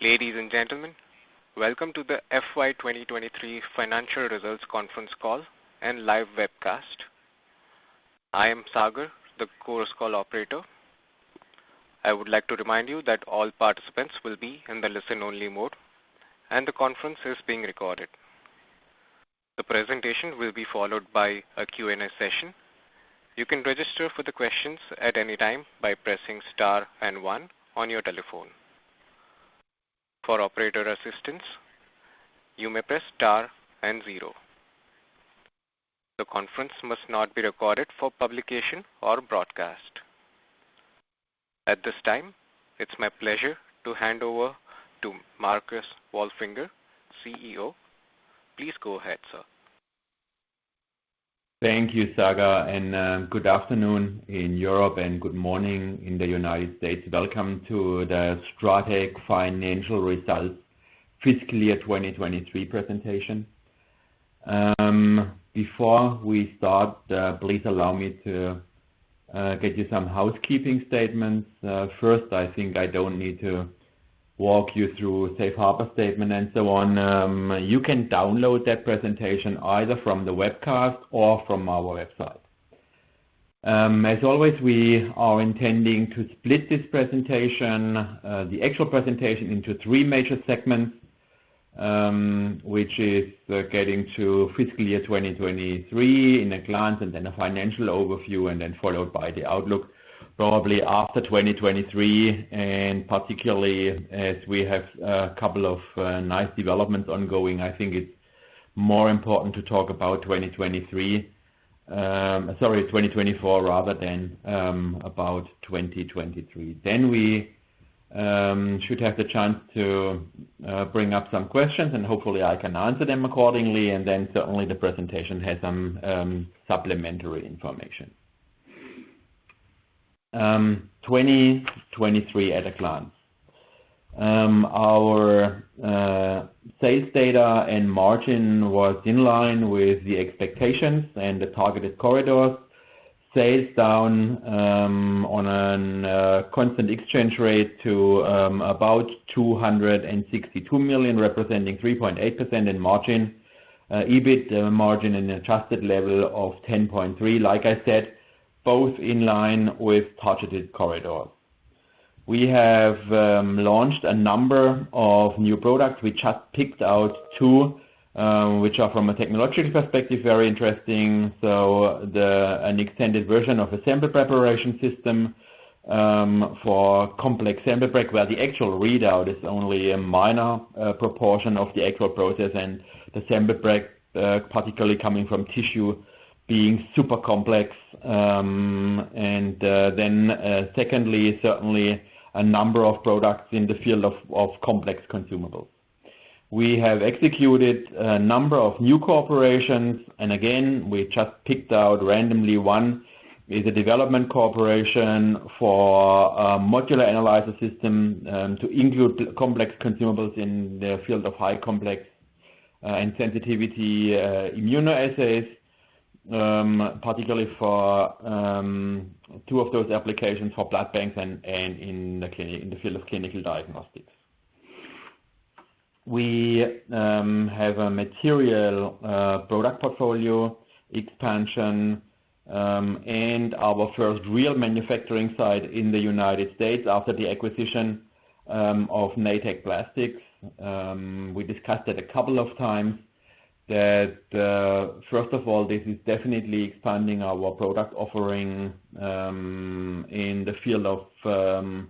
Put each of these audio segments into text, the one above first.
Ladies and gentlemen, welcome to the FY 2023 Financial Results Conference Call and Live Webcast. I am Sagar, the Chorus Call operator. I would like to remind you that all participants will be in the listen-only mode, and the conference is being recorded. The presentation will be followed by a Q&A session. You can register for the questions at any time by pressing star and 1 on your telephone. For operator assistance, you may press star and zero. The conference must not be recorded for publication or broadcast. At this time, it's my pleasure to hand over to Marcus Wolfinger, CEO. Please go ahead, sir. Thank you, Sagar, and good afternoon in Europe and good morning in the United States. Welcome to the STRATEC Financial Results Fiscal Year 2023 presentation. Before we start, please allow me to get you some housekeeping statements. First, I think I don't need to walk you through Safe Harbor Statement and so on. You can download that presentation either from the webcast or from our website. As always, we are intending to split this presentation, the actual presentation, into three major segments, which is getting to Fiscal Year 2023 in a glance and then a financial overview, and then followed by the outlook probably after 2023. And particularly as we have a couple of nice developments ongoing, I think it's more important to talk about 2023, sorry, 2024, rather than about 2023. Then we should have the chance to bring up some questions, and hopefully I can answer them accordingly. Then certainly the presentation has some supplementary information. 2023 at a glance. Our sales data and margin was in line with the expectations and the targeted corridors. Sales down on a constant exchange rate to about 262 million, representing 3.8% in margin. EBIT margin and adjusted level of 10.3%, like I said, both in line with targeted corridors. We have launched a number of new products. We just picked out two, which are from a technological perspective very interesting. So an extended version of a sample preparation system for complex sample prep, where the actual readout is only a minor proportion of the actual process and the sample prep, particularly coming from tissue, being super complex. And then secondly, certainly a number of products in the field of complex consumables. We have executed a number of new corporations, and again, we just picked out randomly one. It's a development corporation for a modular analyzer system to include complex consumables in the field of high complex and sensitivity immunoassays, particularly for two of those applications for blood banks and in the field of clinical diagnostics. We have a material product portfolio expansion and our first real manufacturing site in the United States after the acquisition of Natech Plastics. We discussed it a couple of times. First of all, this is definitely expanding our product offering in the field of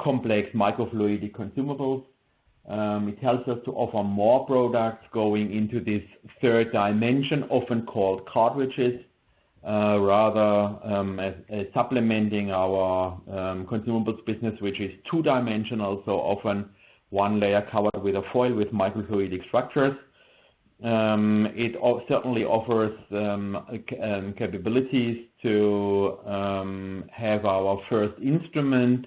complex microfluidic consumables. It helps us to offer more products going into this third dimension, often called cartridges, rather as supplementing our consumables business, which is two-dimensional, so often one layer covered with a foil with microfluidic structures. It certainly offers capabilities to have our first instrument.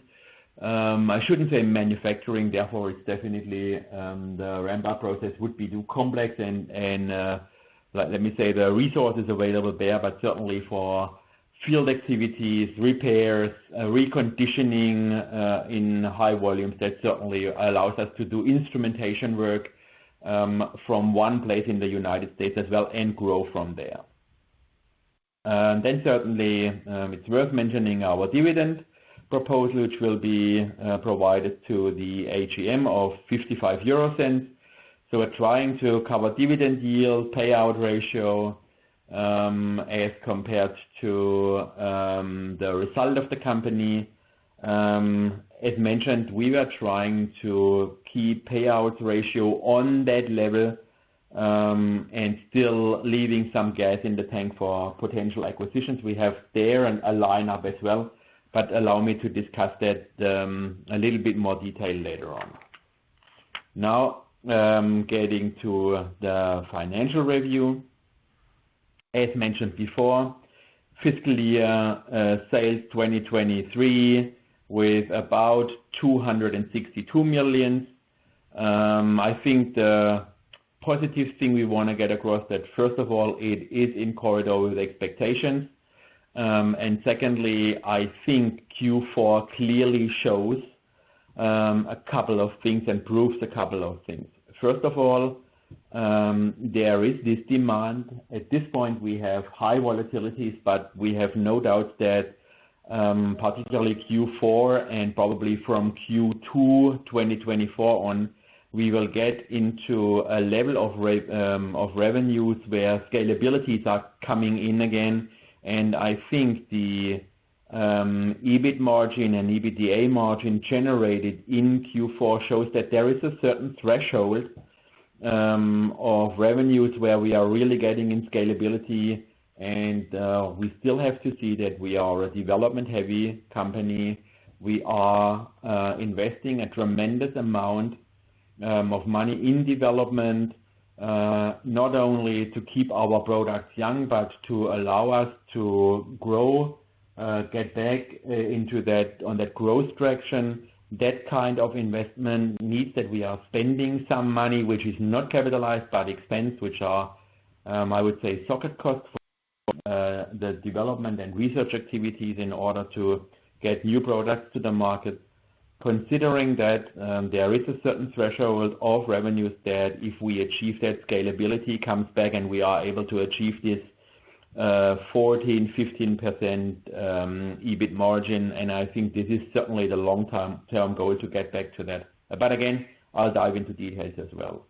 I shouldn't say manufacturing. Therefore, it's definitely the ramp-up process would be too complex. Let me say the resources available there, but certainly for field activities, repairs, reconditioning in high volumes, that certainly allows us to do instrumentation work from one place in the United States as well and grow from there. Certainly, it's worth mentioning our dividend proposal, which will be provided to the AGM of 0.55. We're trying to cover dividend yield payout ratio as compared to the result of the company. As mentioned, we were trying to keep payouts ratio on that level and still leaving some gas in the tank for potential acquisitions we have there and a lineup as well. Allow me to discuss that a little bit more detail later on. Now, getting to the financial review. As mentioned before, fiscal year sales 2023 with about 262 million. I think the positive thing we want to get across that, first of all, it is in corridor with expectations. Secondly, I think Q4 clearly shows a couple of things and proves a couple of things. First of all, there is this demand. At this point, we have high volatilities, but we have no doubts that particularly Q4 and probably from Q2 2024 on, we will get into a level of revenues where scalabilities are coming in again. I think the EBIT margin and EBITDA margin generated in Q4 shows that there is a certain threshold of revenues where we are really getting in scalability. We still have to see that we are a development-heavy company. We are investing a tremendous amount of money in development, not only to keep our products young, but to allow us to grow, get back on that growth traction. That kind of investment means that we are spending some money, which is not capitalized, but expense, which are, I would say, socket costs for the development and research activities in order to get new products to the market. Considering that there is a certain threshold of revenues that if we achieve that scalability comes back and we are able to achieve this 14%-15% EBIT margin, and I think this is certainly the long-term goal to get back to that. But again, I'll dive into details as well.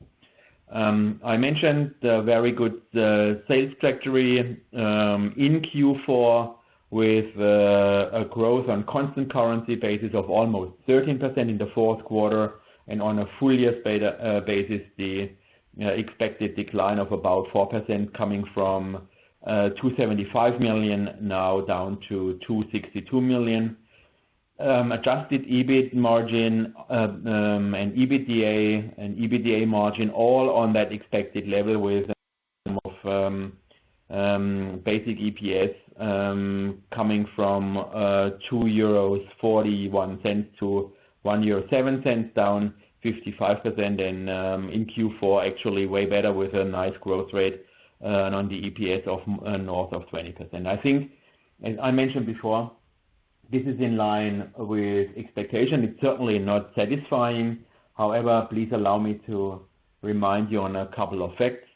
I mentioned the very good sales trajectory in Q4 with a growth on constant currency basis of almost 13% in the Q4. On a full-year basis, the expected decline of about 4% coming from 275 now down to 262 million. Adjusted EBIT margin and EBITDA and EBITDA margin all on that expected level with some of basic EPS coming from 2.41 euros to 1.07 euro, down 55%. In Q4, actually way better with a nice growth rate on the EPS north of 20%. I think, as I mentioned before, this is in line with expectation. It's certainly not satisfying. However, please allow me to remind you on a couple of facts.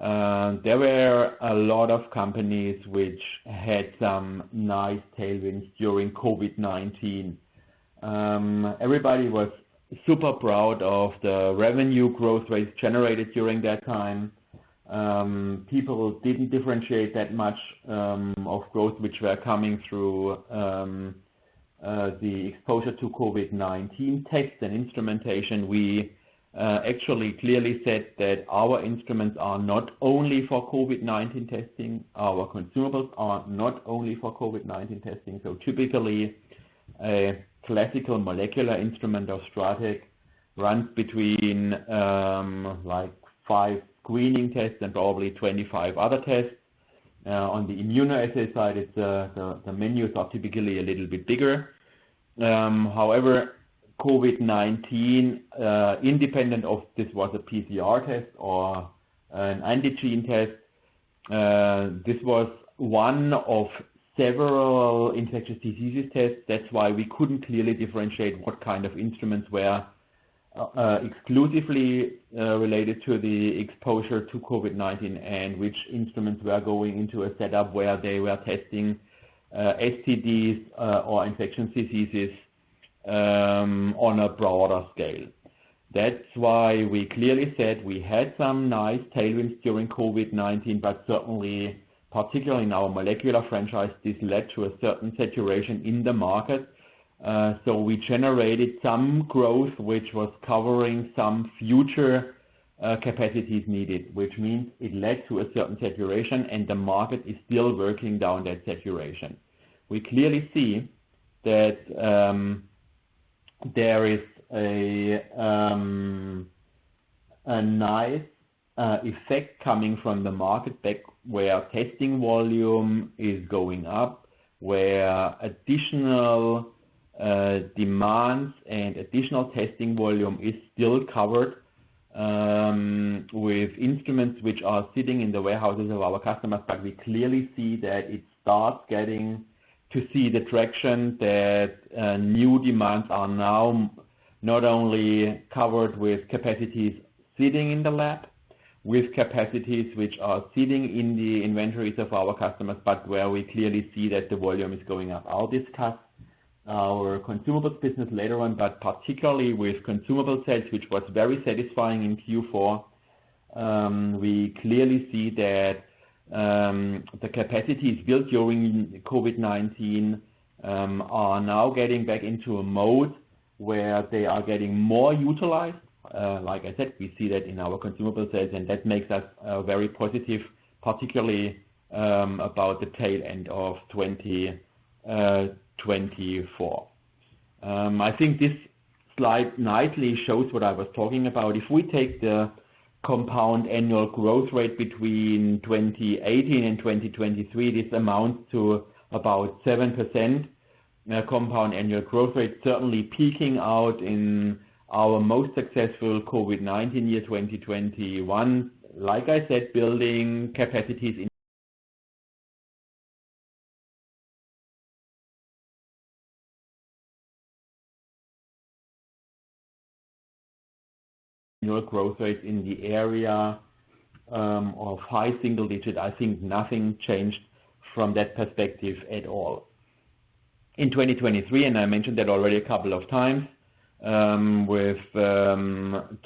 There were a lot of companies which had some nice tailwinds during COVID-19. Everybody was super proud of the revenue growth rates generated during that time. People didn't differentiate that much of growth which were coming through the exposure to COVID-19 tests and instrumentation. We actually clearly said that our instruments are not only for COVID-19 testing. Our consumables are not only for COVID-19 testing. So typically, a classical molecular instrument of STRATEC runs between five screening tests and probably 25 other tests. On the immunoassay side, the menus are typically a little bit bigger. However, COVID-19, independent of this, was a PCR test or an antigen test. This was one of several infectious diseases tests. That's why we couldn't clearly differentiate what kind of instruments were exclusively related to the exposure to COVID-19 and which instruments were going into a setup where they were testing STDs or infectious diseases on a broader scale. That's why we clearly said we had some nice tailwinds during COVID-19, but certainly, particularly in our molecular franchise, this led to a certain saturation in the market. So we generated some growth which was covering some future capacities needed, which means it led to a certain saturation, and the market is still working down that saturation. We clearly see that there is a nice effect coming from the market back where testing volume is going up, where additional demands and additional testing volume is still covered with instruments which are sitting in the warehouses of our customers. But we clearly see that it starts getting to see the traction that new demands are now not only covered with capacities sitting in the lab, with capacities which are sitting in the inventories of our customers, but where we clearly see that the volume is going up. I'll discuss our consumables business later on, but particularly with consumable sales, which was very satisfying in Q4, we clearly see that the capacities built during COVID-19 are now getting back into a mode where they are getting more utilized. Like I said, we see that in our consumable sales, and that makes us very positive, particularly about the tail end of 2024. I think this slide nicely shows what I was talking about. If we take the compound annual growth rate between 2018 and 2023, this amounts to about 7% compound annual growth rate, certainly peaking out in our most successful COVID-19 year 2021. Like I said, building capacities in annual growth rates in the area of high single digit, I think nothing changed from that perspective at all. In 2023, and I mentioned that already a couple of times, with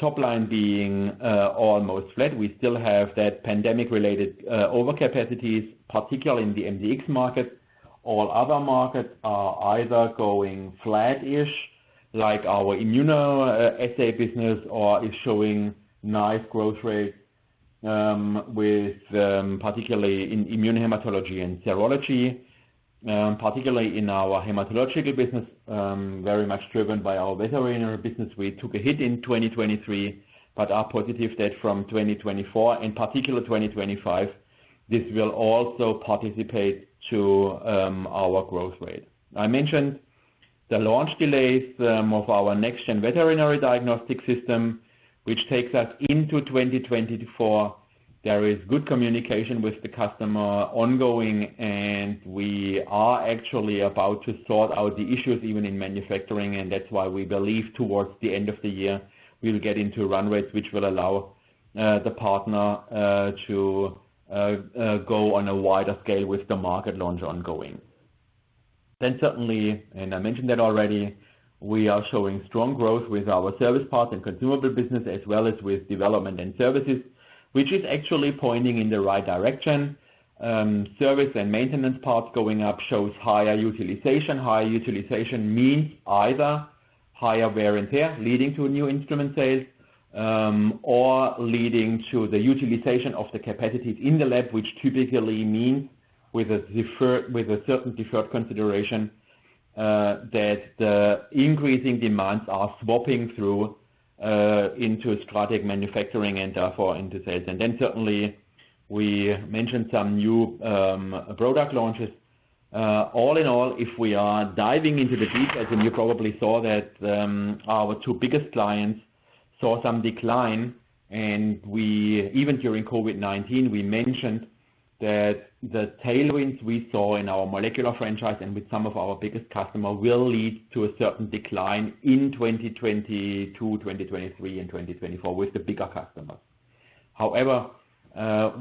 top line being almost flat, we still have that pandemic-related overcapacities, particularly in the MDX markets. All other markets are either going flat-ish, like our immunoassay business, or is showing nice growth rates, particularly in immunohematology and serology, particularly in our hematological business, very much driven by our veterinary business. We took a hit in 2023, but are positive that from 2024 and particularly 2025, this will also participate to our growth rate. I mentioned the launch delays of our next-gen veterinary diagnostic system, which takes us into 2024. There is good communication with the customer ongoing, and we are actually about to sort out the issues even in manufacturing. That's why we believe towards the end of the year, we will get into run rates which will allow the partner to go on a wider scale with the market launch ongoing. Then certainly, and I mentioned that already, we are showing strong growth with our service parts and consumable business as well as with development and services, which is actually pointing in the right direction. Service and maintenance parts going up shows higher utilization. Higher utilization means either higher wear and tear leading to new instrument sales or leading to the utilization of the capacities in the lab, which typically means with a certain deferred consideration that the increasing demands are swapping through into STRATEC manufacturing and therefore into sales. And then certainly, we mentioned some new product launches. All in all, if we are diving into the details, and you probably saw that our two biggest clients saw some decline. And even during COVID-19, we mentioned that the tailwinds we saw in our molecular franchise and with some of our biggest customers will lead to a certain decline in 2022, 2023, and 2024 with the bigger customers. However,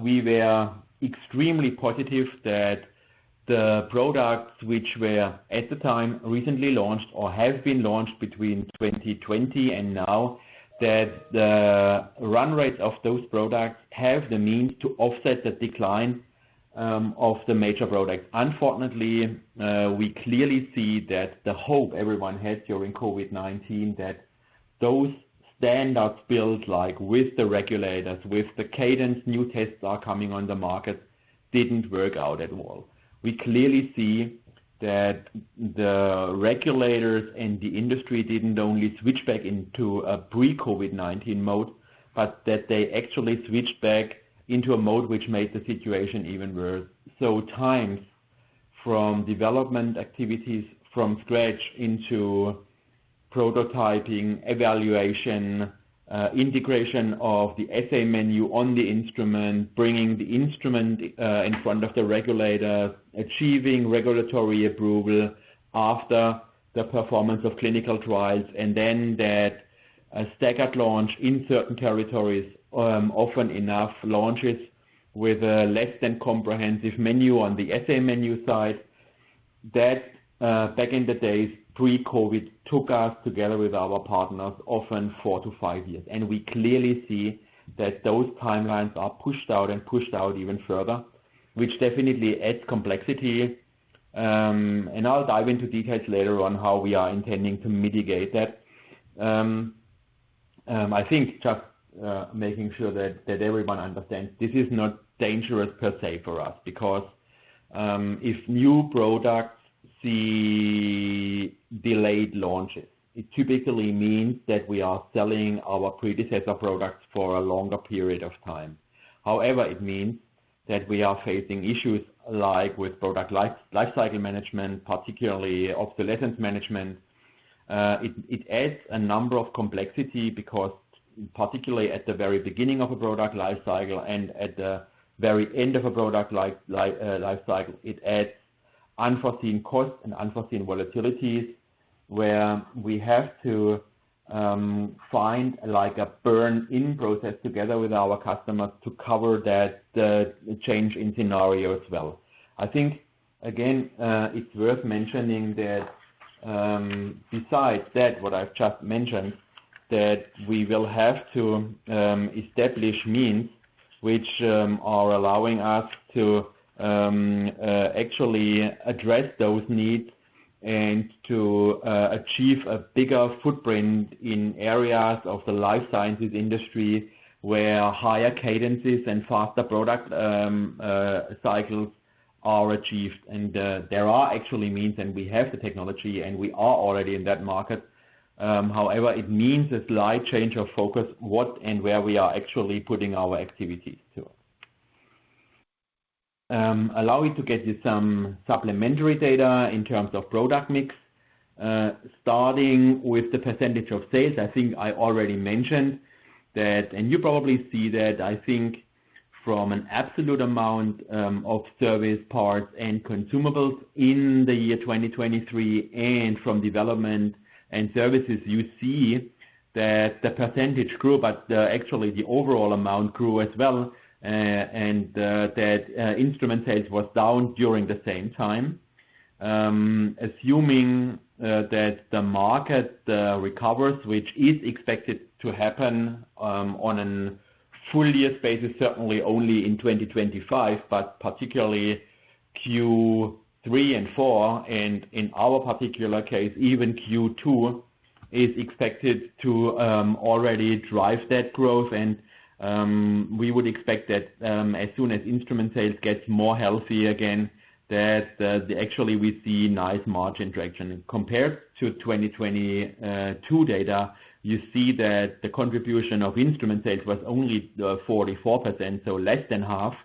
we were extremely positive that the products which were at the time recently launched or have been launched between 2020 and now, that the run rates of those products have the means to offset the decline of the major products. Unfortunately, we clearly see that the hope everyone has during COVID-19 that those standards built with the regulators, with the cadence new tests are coming on the market, didn't work out at all. We clearly see that the regulators and the industry didn't only switch back into a pre-COVID-19 mode, but that they actually switched back into a mode which made the situation even worse. So, timelines from development activities from scratch into prototyping, evaluation, integration of the assay menu on the instrument, bringing the instrument in front of the regulators, achieving regulatory approval after the performance of clinical trials, and then that a staggered launch in certain territories, often enough, launches with a less than comprehensive menu on the assay menu side. That back in the days pre-COVID took us together with our partners often four to five years. We clearly see that those timelines are pushed out and pushed out even further, which definitely adds complexity. I'll dive into details later on how we are intending to mitigate that. I think just making sure that everyone understands this is not dangerous per se for us because if new products see delayed launches, it typically means that we are selling our predecessor products for a longer period of time. However, it means that we are facing issues like with product lifecycle management, particularly obsolescence management. It adds a number of complexity because particularly at the very beginning of a product lifecycle and at the very end of a product lifecycle, it adds unforeseen costs and unforeseen volatilities where we have to find a burn-in process together with our customers to cover that change in scenarios well. I think, again, it's worth mentioning that besides that, what I've just mentioned, that we will have to establish means which are allowing us to actually address those needs and to achieve a bigger footprint in areas of the life sciences industry where higher cadences and faster product cycles are achieved. And there are actually means, and we have the technology, and we are already in that market. However, it means a slight change of focus what and where we are actually putting our activities to. Allow me to get you some supplementary data in terms of product mix. Starting with the percentage of sales, I think I already mentioned that, and you probably see that, I think from an absolute amount of service parts and consumables in the year 2023 and from Development and Services, you see that the percentage grew, but actually the overall amount grew as well and that instrument sales was down during the same time. Assuming that the market recovers, which is expected to happen on a full-year basis, certainly only in 2025, but particularly Q3 and Q4, and in our particular case, even Q2 is expected to already drive that growth. We would expect that as soon as instrument sales get more healthy again, that actually we see nice margin traction. Compared to 2022 data, you see that the contribution of instrument sales was only 44%, so less than half.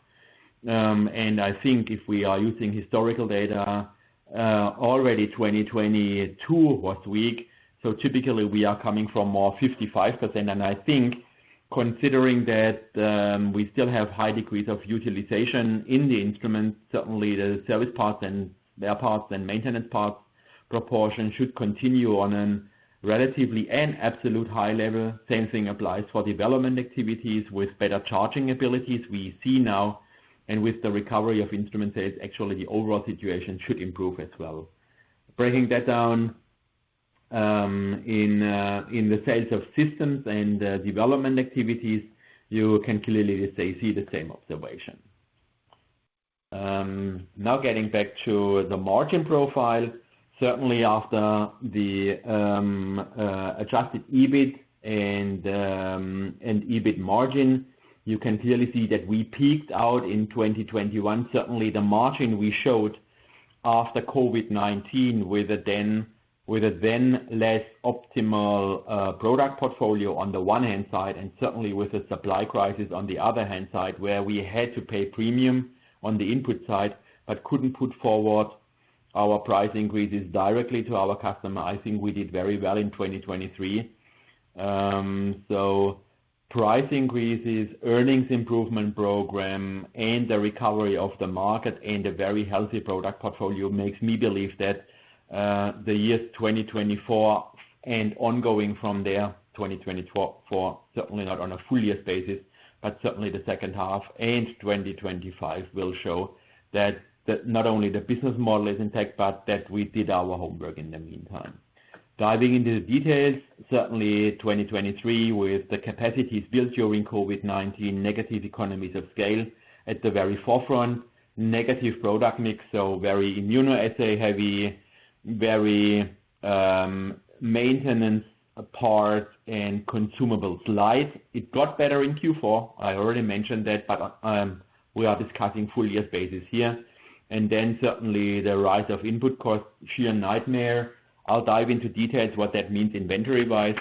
I think if we are using historical data, already 2022 was weak. Typically, we are coming from more 55%. I think considering that we still have high degrees of utilization in the instruments, certainly the service parts and their parts and maintenance parts proportion should continue on a relatively and absolute high level. Same thing applies for development activities with better charging abilities we see now, and with the recovery of instrument sales, actually the overall situation should improve as well. Breaking that down in the sales of systems and development activities, you can clearly see the same observation. Now getting back to the margin profile, certainly after the adjusted EBIT and EBIT margin, you can clearly see that we peaked out in 2021. Certainly, the margin we showed after COVID-19 with a then less optimal product portfolio on the one hand side and certainly with a supply crisis on the other hand side where we had to pay premium on the input side but couldn't put forward our price increases directly to our customer, I think we did very well in 2023. So price increases, earnings improvement program, and the recovery of the market and a very healthy product portfolio makes me believe that the year 2024 and ongoing from there, 2024, certainly not on a full-year basis, but certainly the second half and 2025 will show that not only the business model is intact, but that we did our homework in the meantime. Diving into the details, certainly 2023 with the capacities built during COVID-19, negative economies of scale at the very forefront, negative product mix, so very immunoassay-heavy, very maintenance parts and consumables light. It got better in Q4. I already mentioned that, but we are discussing full-year basis here. And then certainly the rise of input costs, sheer nightmare. I'll dive into details what that means inventory-wise,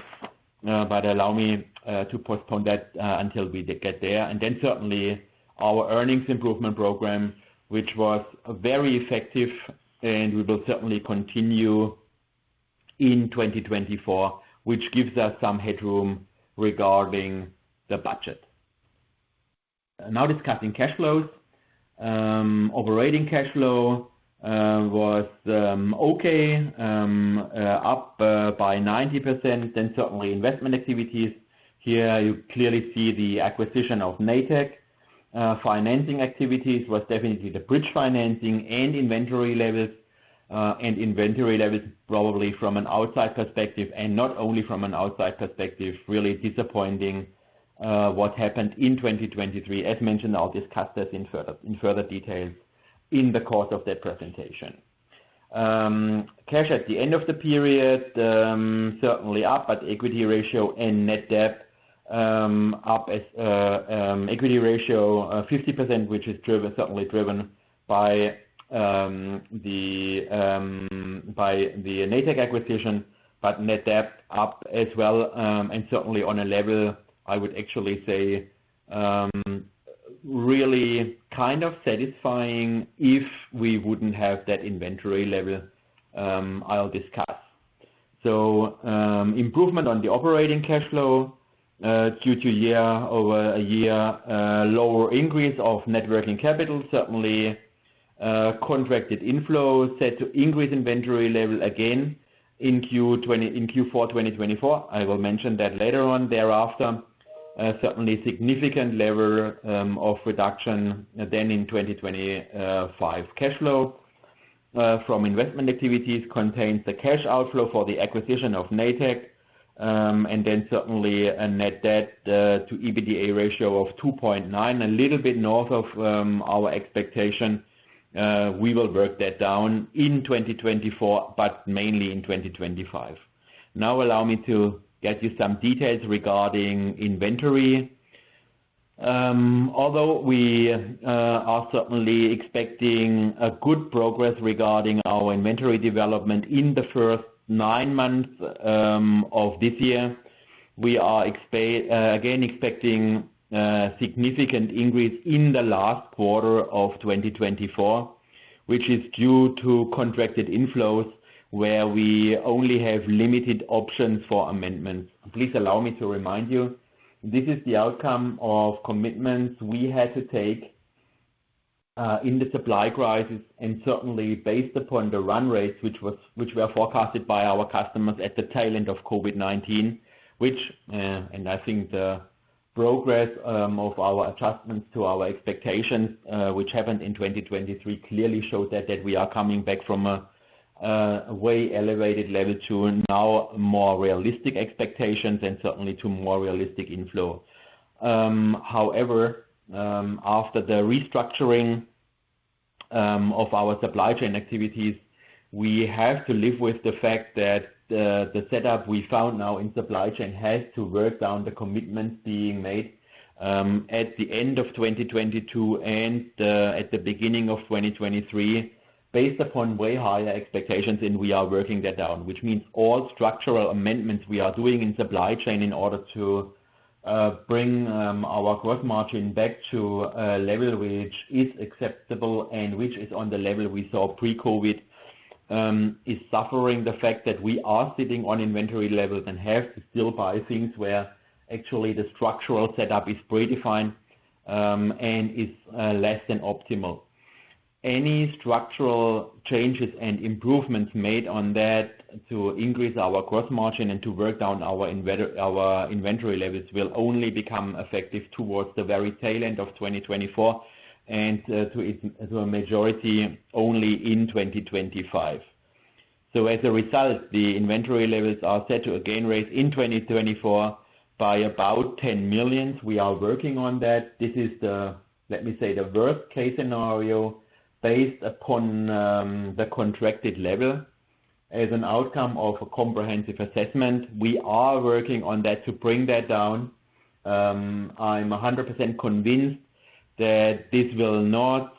but allow me to postpone that until we get there. And then certainly our earnings improvement program, which was very effective and we will certainly continue in 2024, which gives us some headroom regarding the budget. Now discussing cash flows. Operating cash flow was okay, up by 90%. Then certainly investment activities. Here, you clearly see the acquisition of Natech. Financing activities was definitely the bridge financing and inventory levels. Inventory levels, probably from an outside perspective and not only from an outside perspective, really disappointing what happened in 2023. As mentioned, I'll discuss this in further details in the course of that presentation. Cash at the end of the period, certainly up, but equity ratio and net debt up, as equity ratio 50%, which is certainly driven by the Natech acquisition, but net debt up as well. And certainly on a level, I would actually say really kind of satisfying if we wouldn't have that inventory level I'll discuss. So improvement on the operating cash flow due to year-over-year lower increase of net working capital, certainly contracted inflow set to increase inventory level again in Q4 2024. I will mention that later on. Thereafter, certainly significant level of reduction then in 2025. Cash flow from investment activities contains the cash outflow for the acquisition of Natech. Then certainly a net debt to EBITDA ratio of 2.9, a little bit north of our expectation. We will work that down in 2024, but mainly in 2025. Now allow me to get you some details regarding inventory. Although we are certainly expecting a good progress regarding our inventory development in the first nine months of this year, we are again expecting significant increase in the last quarter of 2024, which is due to contracted inflows where we only have limited options for amendments. Please allow me to remind you, this is the outcome of commitments we had to take in the supply crisis and certainly based upon the run rates, which were forecasted by our customers at the tail end of COVID-19, which and I think the progress of our adjustments to our expectations, which happened in 2023, clearly showed that we are coming back from a way elevated level to now more realistic expectations and certainly to more realistic inflow. However, after the restructuring of our supply chain activities, we have to live with the fact that the setup we found now in supply chain has to work down the commitments being made at the end of 2022 and at the beginning of 2023 based upon way higher expectations, and we are working that down, which means all structural amendments we are doing in supply chain in order to bring our gross margin back to a level which is acceptable and which is on the level we saw pre-COVID is suffering the fact that we are sitting on inventory levels and have to still buy things where actually the structural setup is predefined and is less than optimal. Any structural changes and improvements made on that to increase our gross margin and to work down our inventory levels will only become effective towards the very tail end of 2024 and to a majority only in 2025. So as a result, the inventory levels are set to again rise in 2024 by about 10 million. We are working on that. This is the, let me say, the worst-case scenario based upon the contracted level. As an outcome of a comprehensive assessment, we are working on that to bring that down. I'm 100% convinced that this will not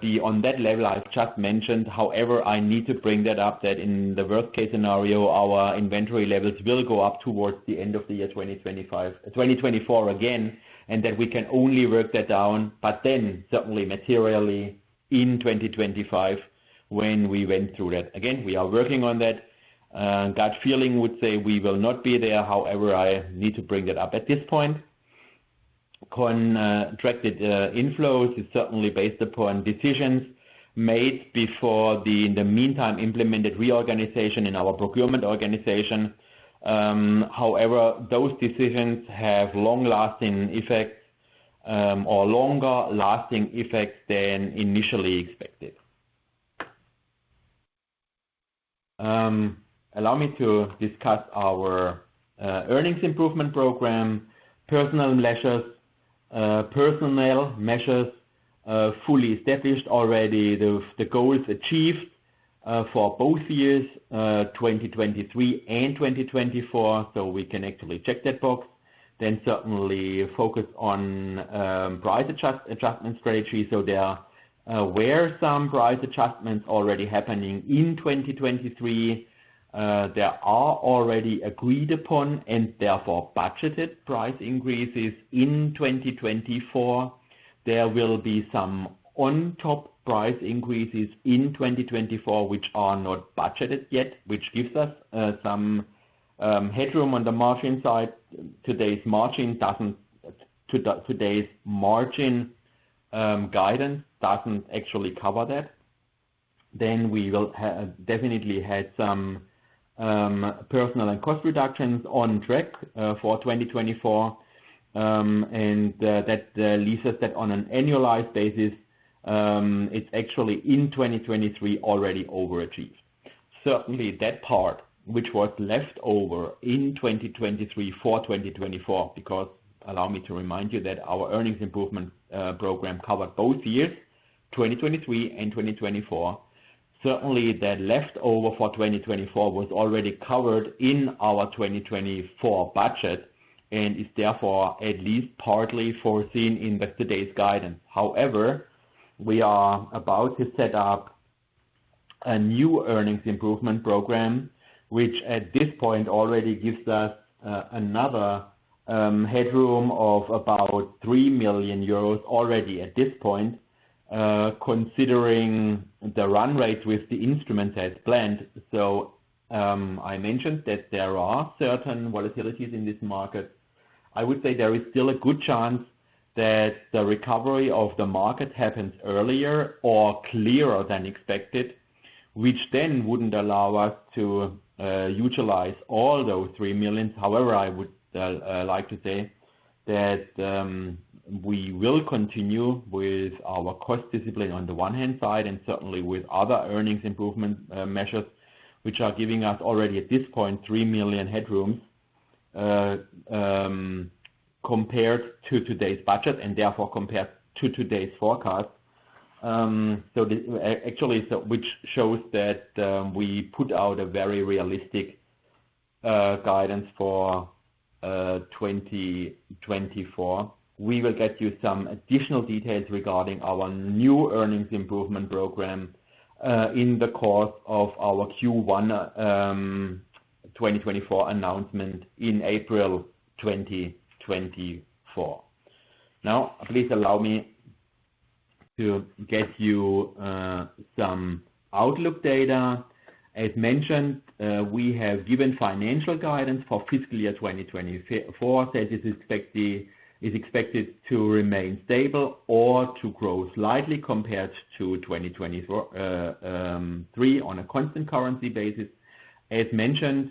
be on that level I've just mentioned. However, I need to bring that up that in the worst-case scenario, our inventory levels will go up towards the end of the year 2024 again and that we can only work that down, but then certainly materially in 2025 when we went through that. Again, we are working on that. Gut feeling would say we will not be there. However, I need to bring that up at this point. Contracted inflows is certainly based upon decisions made before the in the meantime implemented reorganization in our procurement organization. However, those decisions have long-lasting effects or longer-lasting effects than initially expected. Allow me to discuss our earnings improvement program, personal measures, fully established already, the goals achieved for both years 2023 and 2024, so we can actually check that box. Then certainly focus on price adjustment strategies so they are aware some price adjustments already happening in 2023. There are already agreed upon and therefore budgeted price increases in 2024. There will be some on-top price increases in 2024 which are not budgeted yet, which gives us some headroom on the margin side. Today's margin doesn't – today's margin guidance doesn't actually cover that. Then we will definitely have some personnel and cost reductions on track for 2024, and that leaves us that on an annualized basis, it's actually in 2023 already overachieved. Certainly that part which was left over in 2023 for 2024 because allow me to remind you that our earnings improvement program covered both years, 2023 and 2024. Certainly that leftover for 2024 was already covered in our 2024 budget and is therefore at least partly foreseen in today's guidance. However, we are about to set up a new earnings improvement program which at this point already gives us another headroom of about 3 million euros already at this point considering the run rate with the instruments as planned. So I mentioned that there are certain volatilities in this market. I would say there is still a good chance that the recovery of the market happens earlier or clearer than expected, which then wouldn't allow us to utilize all those 3 million. However, I would like to say that we will continue with our cost discipline on the one hand side and certainly with other earnings improvement measures which are giving us already at this point 3 million headrooms compared to today's budget and therefore compared to today's forecast. So actually, which shows that we put out a very realistic guidance for 2024. We will get you some additional details regarding our new earnings improvement program in the course of our Q1 2024 announcement in April 2024. Now, please allow me to get you some outlook data. As mentioned, we have given financial guidance for fiscal year 2024 that is expected to remain stable or to grow slightly compared to 2023 on a constant currency basis. As mentioned,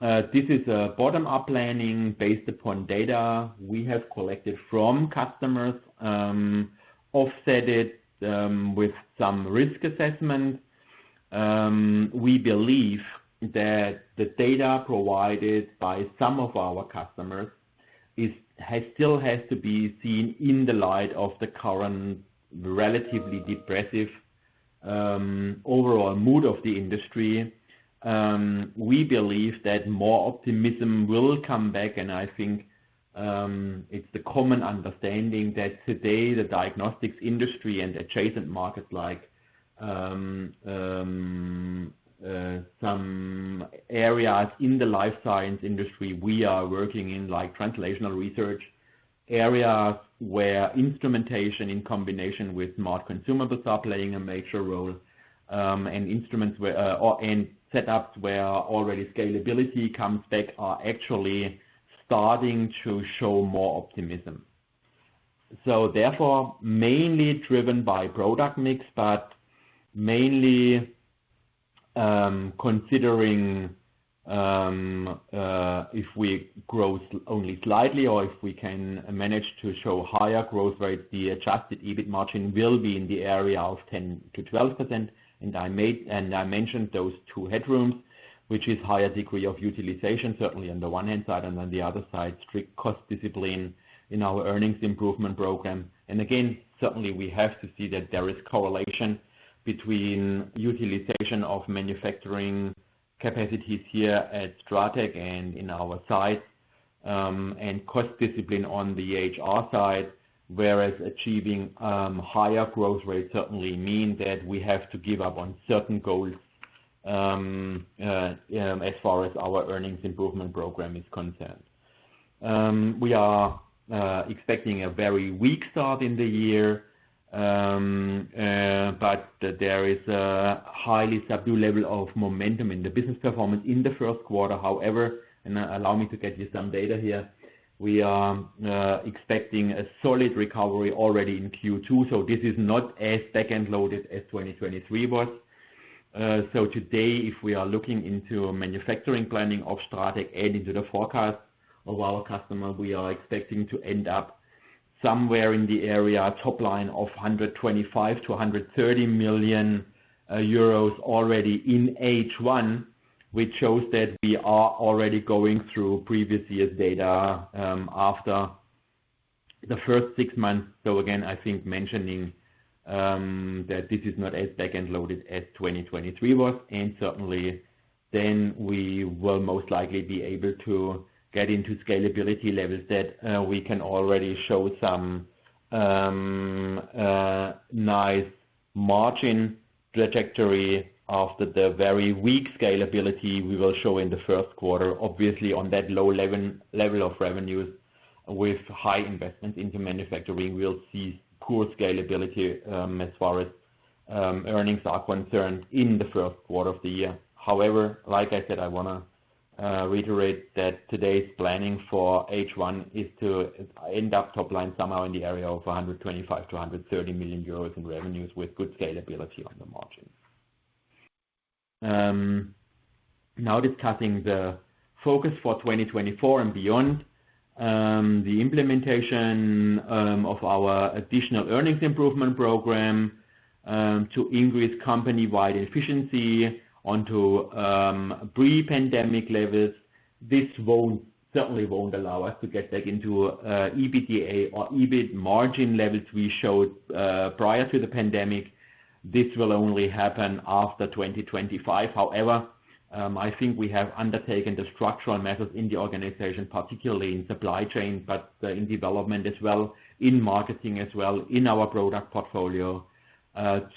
this is a bottom-up planning based upon data we have collected from customers, offset it with some risk assessment. We believe that the data provided by some of our customers still has to be seen in the light of the current relatively depressive overall mood of the industry. We believe that more optimism will come back, and I think it's the common understanding that today the diagnostics industry and adjacent markets like some areas in the life science industry we are working in, like translational research, areas where instrumentation in combination with Smart Consumables are playing a major role and instruments and setups where already scalability comes back are actually starting to show more optimism. So therefore, mainly driven by product mix, but mainly considering if we grow only slightly or if we can manage to show higher growth rates, the adjusted EBIT margin will be in the area of 10%-12%. And I mentioned those two headrooms, which is higher degree of utilization, certainly on the one hand side and on the other side, strict cost discipline in our earnings improvement program. And again, certainly we have to see that there is correlation between utilization of manufacturing capacities here at STRATEC and in our side and cost discipline on the HR side, whereas achieving higher growth rates certainly mean that we have to give up on certain goals as far as our earnings improvement program is concerned. We are expecting a very weak start in the year, but there is a highly subdued level of momentum in the business performance in the first quarter. However, and allow me to get you some data here, we are expecting a solid recovery already in Q2. So this is not as backend-loaded as 2023 was. So today, if we are looking into manufacturing planning of STRATEC and into the forecast of our customer, we are expecting to end up somewhere in the area top line of 125 - 130 million already in H1, which shows that we are already going through previous year's data after the first six months. So again, I think mentioning that this is not as backend-loaded as 2023 was. Certainly then we will most likely be able to get into scalability levels that we can already show some nice margin trajectory after the very weak scalability we will show in the first quarter. Obviously, on that low level of revenues with high investments into manufacturing, we'll see poor scalability as far as earnings are concerned in the first quarter of the year. However, like I said, I want to reiterate that today's planning for H1 is to end up top line somehow in the area of 125 - 130 million in revenues with good scalability on the margin. Now discussing the focus for 2024 and beyond, the implementation of our additional earnings improvement program to increase company-wide efficiency onto pre-pandemic levels, this certainly won't allow us to get back into EBITDA or EBIT margin levels we showed prior to the pandemic. This will only happen after 2025. However, I think we have undertaken the structural measures in the organization, particularly in supply chain, but in development as well, in marketing as well, in our product portfolio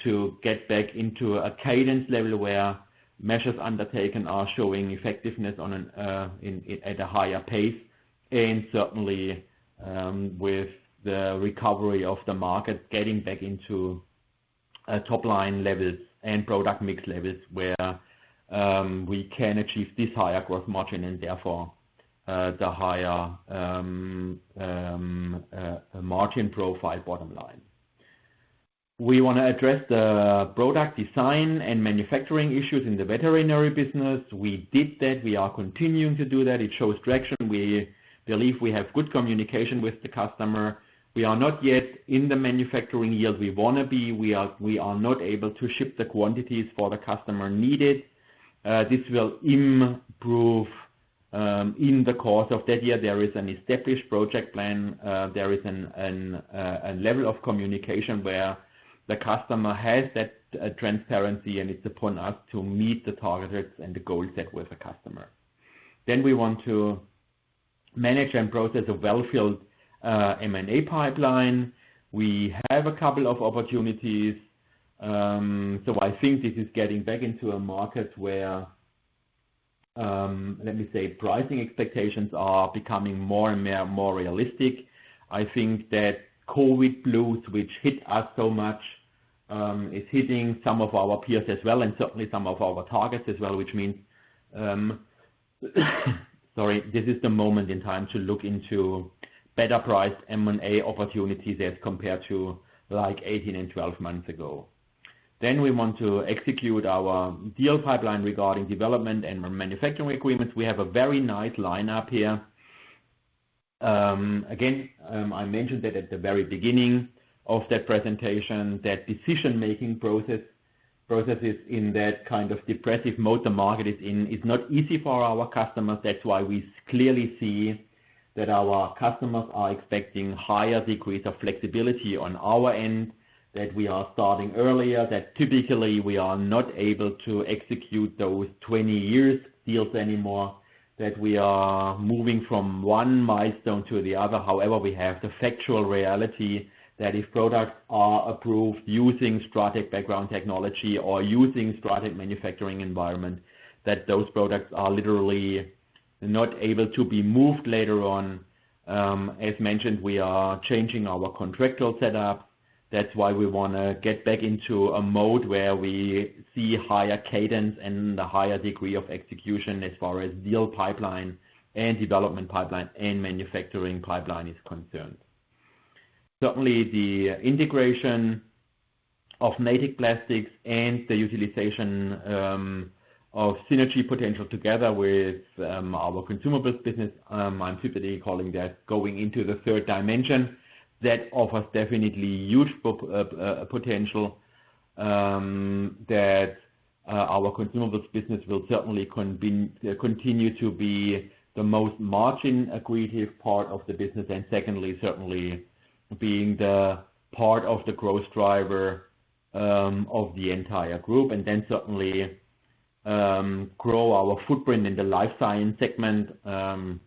to get back into a cadence level where measures undertaken are showing effectiveness at a higher pace. And certainly with the recovery of the market getting back into top line levels and product mix levels where we can achieve this higher gross margin and therefore the higher margin profile bottom line. We want to address the product design and manufacturing issues in the veterinary business. We did that. We are continuing to do that. It shows traction. We believe we have good communication with the customer. We are not yet in the manufacturing yield we want to be. We are not able to ship the quantities for the customer needed. This will improve in the course of that year. There is an established project plan. There is a level of communication where the customer has that transparency, and it's upon us to meet the targets and the goals set with the customer. Then we want to manage and process a well-filled M&A pipeline. We have a couple of opportunities. So I think this is getting back into a market where, let me say, pricing expectations are becoming more and more realistic. I think that COVID blues, which hit us so much, is hitting some of our peers as well and certainly some of our targets as well, which means sorry, this is the moment in time to look into better-priced M&A opportunities as compared to 18 and 12 months ago. Then we want to execute our deal pipeline regarding development and manufacturing agreements. We have a very nice lineup here. Again, I mentioned that at the very beginning of that presentation, that decision-making processes in that kind of depressive mode the market is in is not easy for our customers. That's why we clearly see that our customers are expecting higher degrees of flexibility on our end, that we are starting earlier, that typically we are not able to execute those 20-year deals anymore, that we are moving from one milestone to the other. However, we have the factual reality that if products are approved using STRATEC background technology or using STRATEC manufacturing environment, that those products are literally not able to be moved later on. As mentioned, we are changing our contractual setup. That's why we want to get back into a mode where we see higher cadence and the higher degree of execution as far as deal pipeline and development pipeline and manufacturing pipeline is concerned. Certainly, the integration of Natech Plastics and the utilization of synergy potential together with our consumables business, I'm typically calling that going into the third dimension, that offers definitely huge potential that our consumables business will certainly continue to be the most margin-accretive part of the business and secondly, certainly being the part of the growth driver of the entire group and then certainly grow our footprint in the life science segment.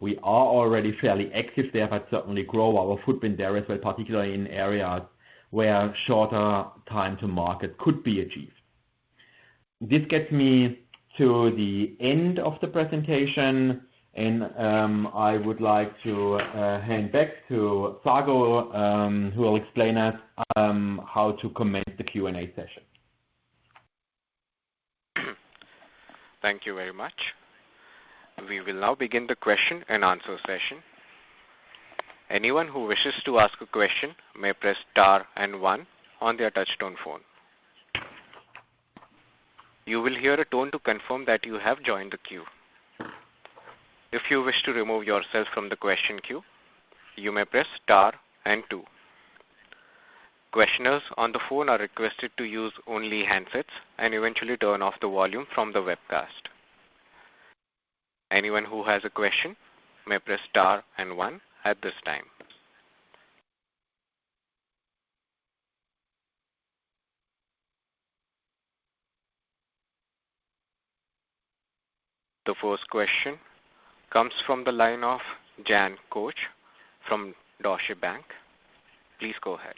We are already fairly active there, but certainly grow our footprint there as well, particularly in areas where shorter time to market could be achieved. This gets me to the end of the presentation, and I would like to hand back to Sagar, who will explain us how to commence the Q&A session. Thank you very much. We will now begin the question and answer session. Anyone who wishes to ask a question may press star and one on their touch-tone phone. You will hear a tone to confirm that you have joined the queue. If you wish to remove yourself from the question queue, you may press star and two. Questioners on the phone are requested to use only handsets and eventually turn off the volume from the webcast. Anyone who has a question may press star and one at this time. The first question comes from the line of Jan Koch from Deutsche Bank. Please go ahead.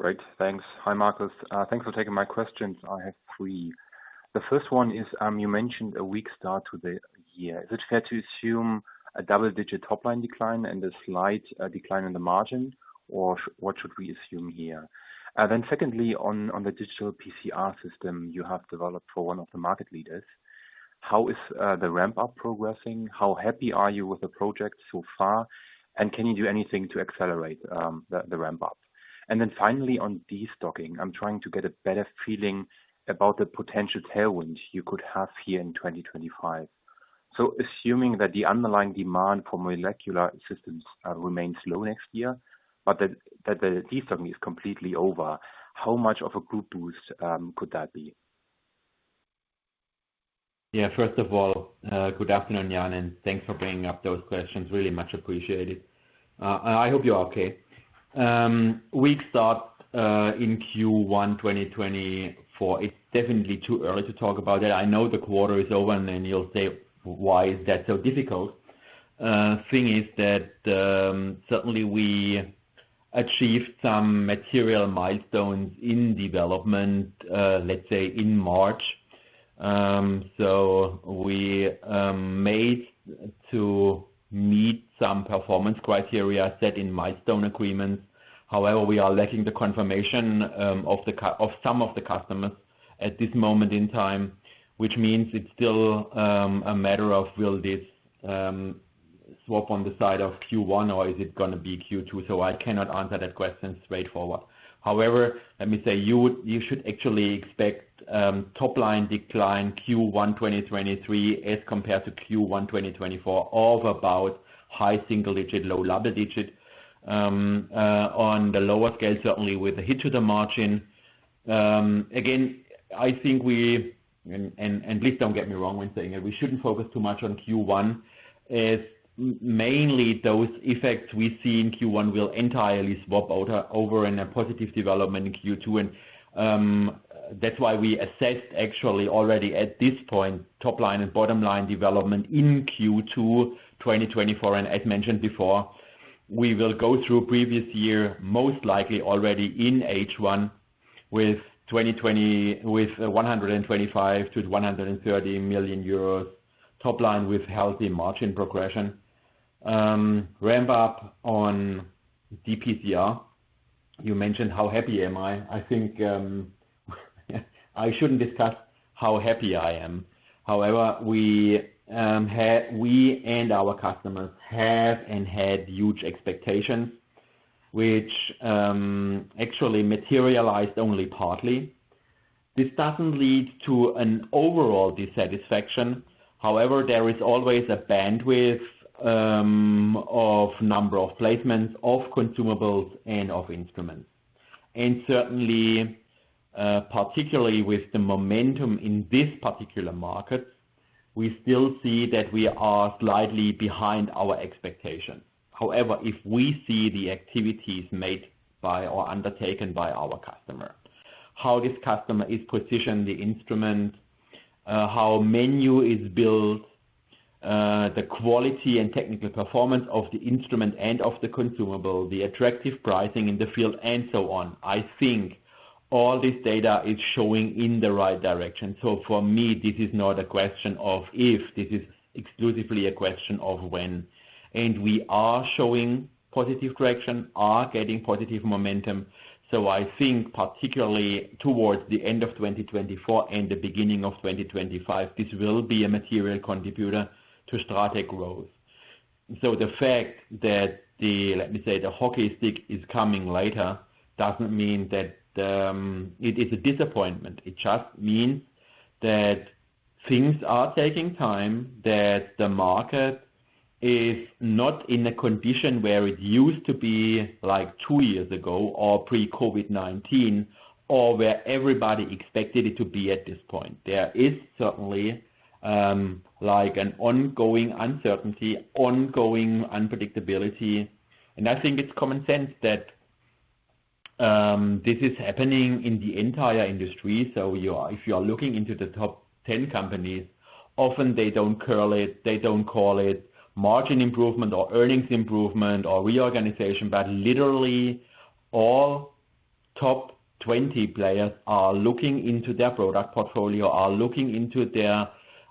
Great. Thanks. Hi, Marcus. Thanks for taking my questions. I have three. The first one is you mentioned a weak start to the year. Is it fair to assume a double-digit top line decline and a slight decline in the margin, or what should we assume here? Then secondly, on the digital PCR system you have developed for one of the market leaders, how is the ramp-up progressing? How happy are you with the project so far, and can you do anything to accelerate the ramp-up? And then finally, on destocking, I'm trying to get a better feeling about the potential tailwinds you could have here in 2025. So assuming that the underlying demand for molecular systems remains low next year, but that the destocking is completely over, how much of a group boost could that be? Yeah. First of all, good afternoon, Jan, and thanks for bringing up those questions. Really much appreciated. I hope you're okay. Weak start in Q1 2024. It's definitely too early to talk about that. I know the quarter is over, and then you'll say, "Why is that so difficult?" The thing is that certainly we achieved some material milestones in development, let's say, in March. So we made to meet some performance criteria set in milestone agreements. However, we are lacking the confirmation of some of the customers at this moment in time, which means it's still a matter of will this swap on the side of Q1, or is it going to be Q2? So I cannot answer that question straightforward. However, let me say you should actually expect top line decline Q1 2023 as compared to Q1 2024 of about high single-digit-low double-digit. On the lower scale, certainly with a hit to the margin. Again, I think we and please don't get me wrong when saying it. We shouldn't focus too much on Q1. Mainly, those effects we see in Q1 will entirely swap over in a positive development in Q2. And that's why we assessed actually already at this point top line and bottom line development in Q2 2024. And as mentioned before, we will go through previous year, most likely already in H1 with 125 - 130 million top line with healthy margin progression. Ramp-up on DPCR, you mentioned, how happy am I? I think I shouldn't discuss how happy I am. However, we and our customers have and had huge expectations, which actually materialized only partly. This doesn't lead to an overall dissatisfaction. However, there is always a bandwidth of number of placements of consumables and of instruments. And certainly, particularly with the momentum in this particular market, we still see that we are slightly behind our expectations. However, if we see the activities made by or undertaken by our customer, how this customer is positioning the instrument, how menu is built, the quality and technical performance of the instrument and of the consumable, the attractive pricing in the field, and so on, I think all this data is showing in the right direction. So for me, this is not a question of if. This is exclusively a question of when. And we are showing positive traction, are getting positive momentum. So I think particularly towards the end of 2024 and the beginning of 2025, this will be a material contributor to STRATEC growth. So the fact that, let me say, the hockey stick is coming later doesn't mean that it is a disappointment. It just means that things are taking time, that the market is not in a condition where it used to be two years ago or pre-COVID-19 or where everybody expected it to be at this point. There is certainly an ongoing uncertainty, ongoing unpredictability. I think it's common sense that this is happening in the entire industry. If you are looking into the top 10 companies, often they don't call it. They don't call it margin improvement or earnings improvement or reorganization, but literally all top 20 players are looking into their product portfolio, are looking into their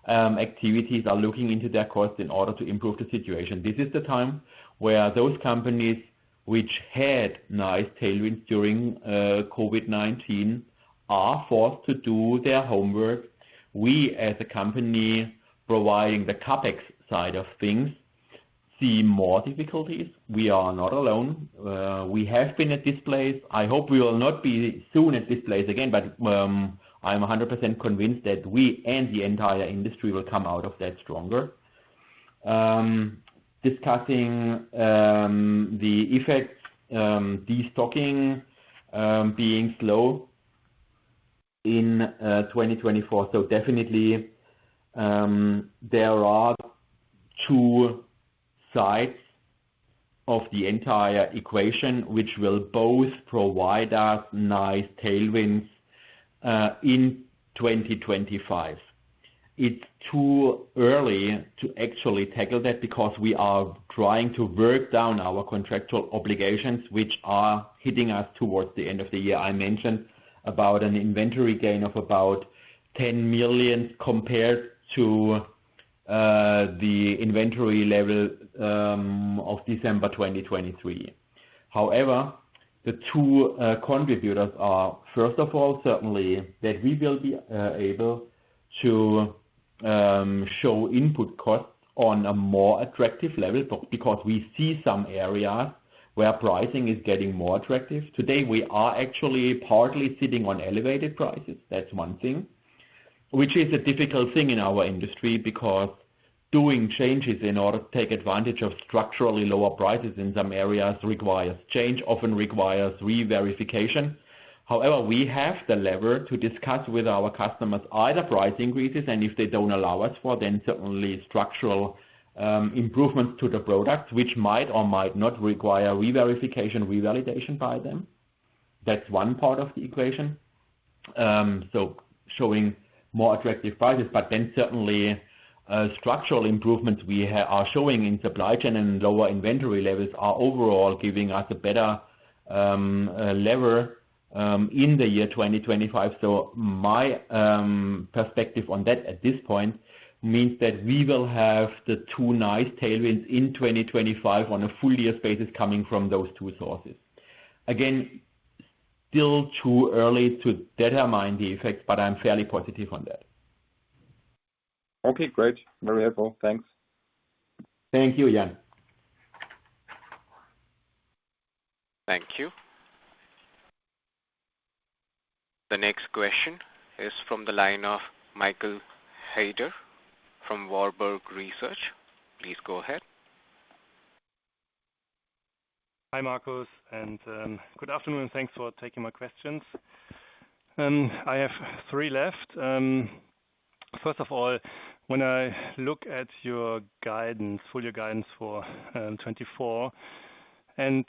activities, are looking into their costs in order to improve the situation. This is the time where those companies which had nice tailwinds during COVID-19 are forced to do their homework. We as a company providing the CapEx side of things see more difficulties. We are not alone. We have been at this place. I hope we will not be soon at this place again, but I'm 100% convinced that we and the entire industry will come out of that stronger. Discussing the effects, destocking being slow in 2024. So definitely, there are two sides of the entire equation which will both provide us nice tailwinds in 2025. It's too early to actually tackle that because we are trying to work down our contractual obligations which are hitting us towards the end of the year. I mentioned about an inventory gain of about 10 million compared to the inventory level of December 2023. However, the two contributors are, first of all, certainly that we will be able to show input costs on a more attractive level because we see some areas where pricing is getting more attractive. Today, we are actually partly sitting on elevated prices. That's one thing, which is a difficult thing in our industry because doing changes in order to take advantage of structurally lower prices in some areas requires change, often requires re-verification. However, we have the lever to discuss with our customers either price increases, and if they don't allow us for, then certainly structural improvements to the products, which might or might not require re-verification, re-validation by them. That's one part of the equation. So showing more attractive prices, but then certainly structural improvements we are showing in supply chain and lower inventory levels are overall giving us a better lever in the year 2025. So my perspective on that at this point means that we will have the two nice tailwinds in 2025 on a full-year basis coming from those two sources. Again, still too early to determine the effects, but I'm fairly positive on that. Okay. Great. Very helpful. Thanks. Thank you, Jan. Thank you. The next question is from the line of Michael Heider from Warburg Research. Please go ahead. Hi, Marcus, and good afternoon. Thanks for taking my questions. I have three left. First of all, when I look at your guidance, full year guidance for 2024, and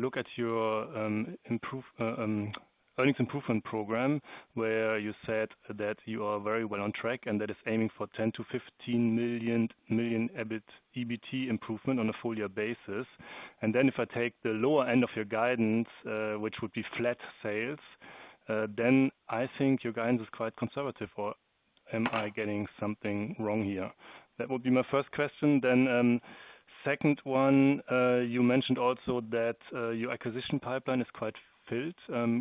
look at your earnings improvement program where you said that you are very well on track and that it's aiming for 10-15 million EBIT improvement on a full year basis. Then if I take the lower end of your guidance, which would be flat sales, then I think your guidance is quite conservative, or am I getting something wrong here? That would be my first question. Then second one, you mentioned also that your acquisition pipeline is quite filled.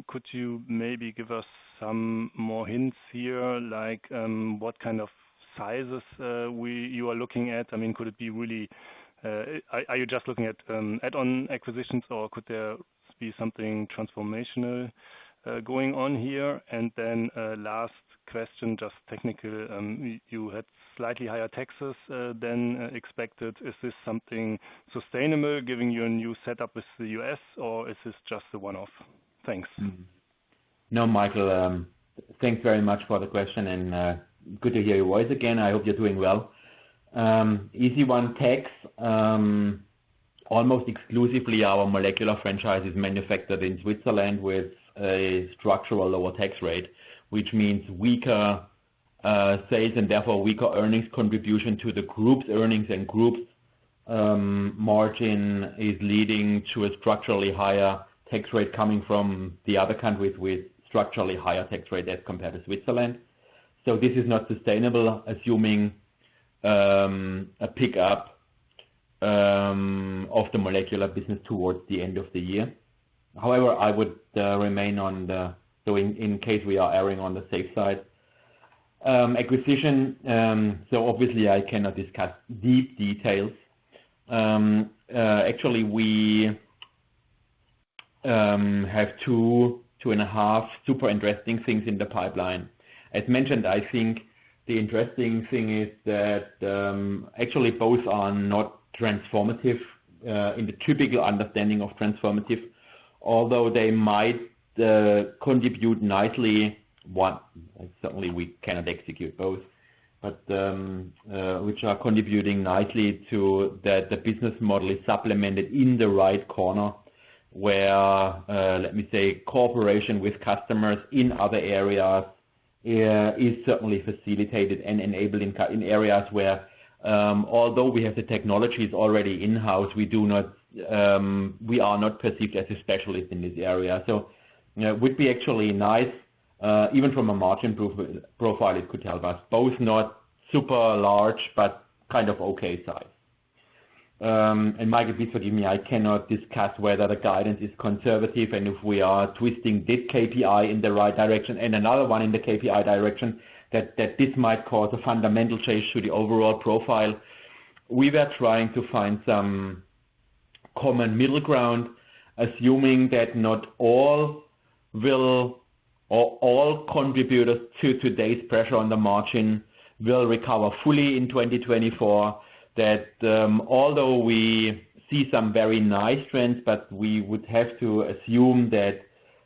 Could you maybe give us some more hints here like what kind of sizes you are looking at? I mean, could it be? Really, are you just looking at add-on acquisitions, or could there be something transformational going on here? Then, last question, just technical. You had slightly higher taxes than expected. Is this something sustainable, given your new setup with the U.S., or is this just a one-off? Thanks. No, Michael, thanks very much for the question, and good to hear your voice again. I hope you're doing well. The reason is, almost exclusively our molecular franchise, is manufactured in Switzerland with a structural lower tax rate, which means weaker sales and therefore weaker earnings contribution to the group's earnings, and group's margin is leading to a structurally higher tax rate coming from the other countries with structurally higher tax rate as compared to Switzerland. So this is not sustainable, assuming a pickup of the molecular business towards the end of the year. However, I would remain on the so in case we are erring on the safe side, acquisition. So obviously, I cannot discuss deep details. Actually, we have two, two and a half super interesting things in the pipeline. As mentioned, I think the interesting thing is that actually both are not transformative in the typical understanding of transformative, although they might contribute nicely. Certainly, we cannot execute both, but which are contributing nicely to that the business model is supplemented in the right corner where, let me say, cooperation with customers in other areas is certainly facilitated and enabled in areas where, although we have the technologies already in-house, we are not perceived as a specialist in this area. So it would be actually nice. Even from a margin profile, it could help us. Both not super large, but kind of okay size. And Michael, please forgive me. I cannot discuss whether the guidance is conservative and if we are twisting this KPI in the right direction and another one in the KPI direction, that this might cause a fundamental change to the overall profile. We were trying to find some common middle ground, assuming that not all contributors to today's pressure on the margin will recover fully in 2024, that although we see some very nice trends, but we would have to assume that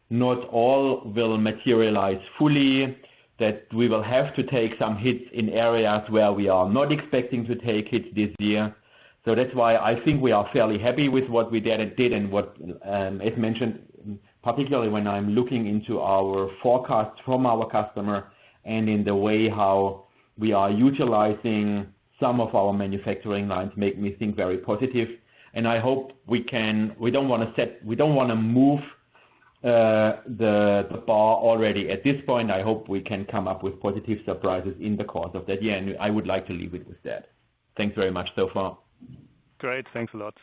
not all will materialize fully, that we will have to take some hits in areas where we are not expecting to take hits this year. So that's why I think we are fairly happy with what we did and what, as mentioned, particularly when I'm looking into our forecasts from our customer and in the way how we are utilizing some of our manufacturing lines make me think very positive. And I hope we can. We don't want to set. We don't want to move the bar already. At this point, I hope we can come up with positive surprises in the course of that year. I would like to leave it with that. Thanks very much so far. Great. Thanks a lot.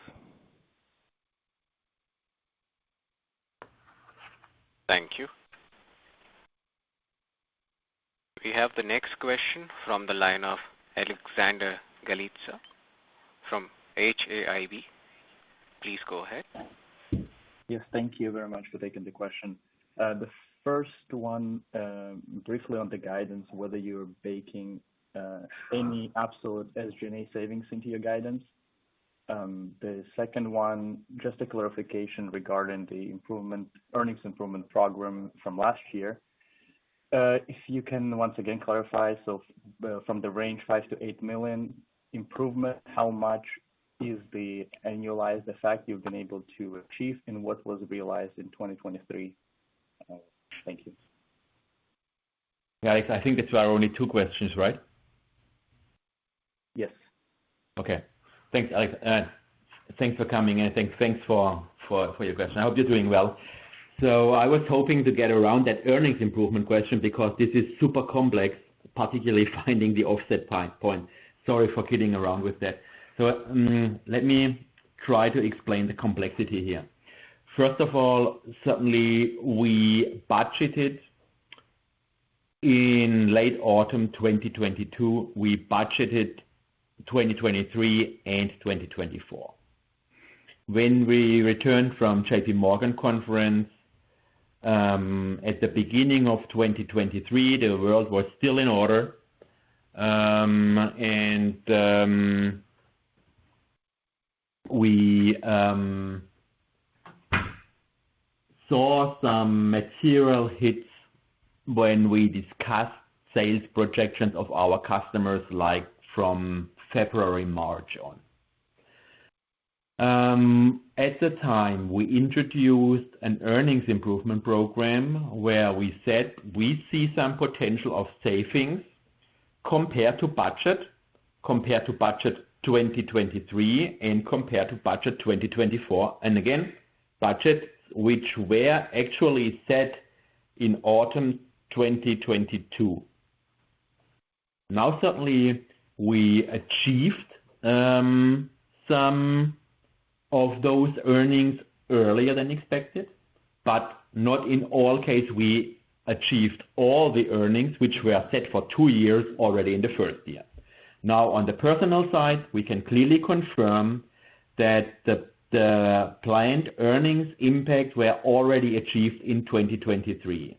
Thank you. We have the next question from the line of Alexander Galitsa from HAIB. Please go ahead. Yes. Thank you very much for taking the question. The first one, briefly on the guidance, whether you're baking any absolute SG&A savings into your guidance. The second one, just a clarification regarding the earnings improvement program from last year. If you can once again clarify, so from the range 5 - 8 million improvement, how much is the annualized effect you've been able to achieve and what was realized in 2023? Thank you. Yeah, Alex, I think that's our only two questions, right? Yes. Okay. Thanks, Alex. Thanks for coming, and thanks for your question. I hope you're doing well. So I was hoping to get around that earnings improvement question because this is super complex, particularly finding the offset point. Sorry for kidding around with that. So let me try to explain the complexity here. First of all, certainly, we budgeted in late autumn 2022. We budgeted 2023 and 2024. When we returned from J.P. Morgan conference at the beginning of 2023, the world was still in order. And we saw some material hits when we discussed sales projections of our customers from February/March on. At the time, we introduced an earnings improvement program where we said we see some potential of savings compared to budget, compared to budget 2023, and compared to budget 2024. And again, budgets which were actually set in autumn 2022. Now, certainly, we achieved some of those earnings earlier than expected, but not in all cases, we achieved all the earnings which were set for two years already in the first year. Now, on the personnel side, we can clearly confirm that the planned earnings impact were already achieved in 2023.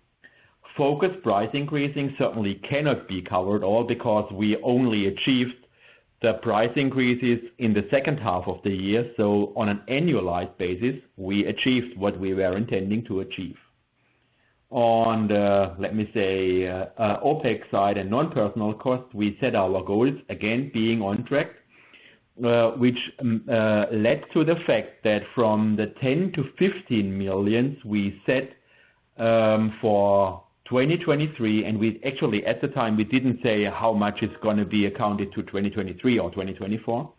Focused price increasing certainly cannot be covered all because we only achieved the price increases in the second half of the year. So on an annualized basis, we achieved what we were intending to achieve. On the, let me say, OpEx side and non-personnel costs, we set our goals, again, being on track, which led to the fact that from the 10-15 million we set for 2023, and actually, at the time, we didn't say how much is going to be accounted to 2023 or 2024.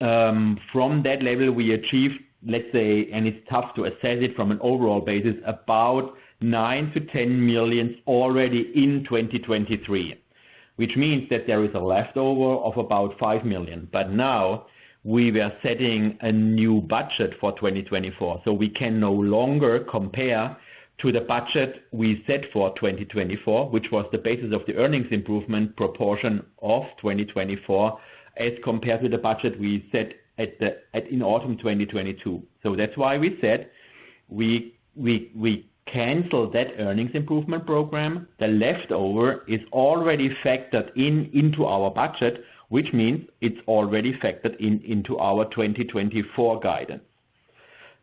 From that level, we achieved, let's say, and it's tough to assess it from an overall basis, about 9 - 10 million already in 2023, which means that there is a leftover of about 5 million. But now, we were setting a new budget for 2024. So we can no longer compare to the budget we set for 2024, which was the basis of the earnings improvement proportion of 2024 as compared to the budget we set in autumn 2022. So that's why we said we canceled that earnings improvement program. The leftover is already factored into our budget, which means it's already factored into our 2024 guidance.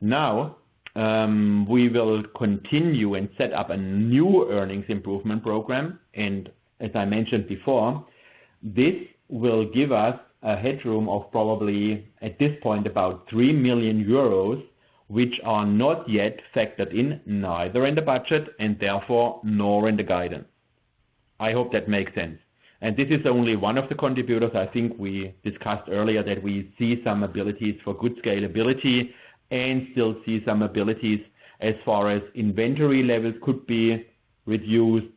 Now, we will continue and set up a new earnings improvement program. As I mentioned before, this will give us a headroom of probably, at this point, about 3 million euros, which are not yet factored in neither in the budget and therefore nor in the guidance. I hope that makes sense. This is only one of the contributors. I think we discussed earlier that we see some abilities for good scalability and still see some abilities as far as inventory levels could be reduced,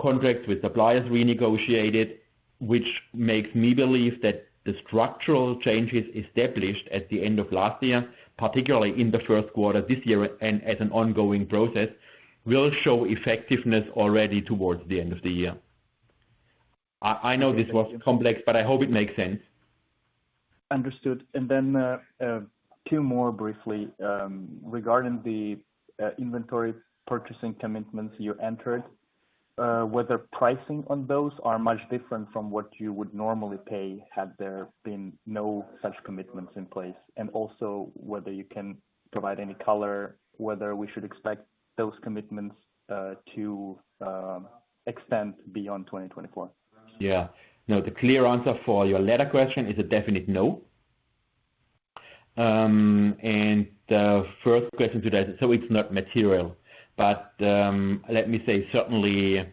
contracts with suppliers renegotiated, which makes me believe that the structural changes established at the end of last year, particularly in the first quarter this year and as an ongoing process, will show effectiveness already towards the end of the year. I know this was complex, but I hope it makes sense. Understood. And then two more briefly regarding the inventory purchasing commitments you entered, whether pricing on those are much different from what you would normally pay had there been no such commitments in place, and also whether you can provide any color, whether we should expect those commitments to extend beyond 2024. Yeah. No, the clear answer for your latter question is a definite no. And the first question today is so it's not material. But let me say, certainly,